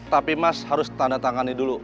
tapi mas harus tanda tangani dulu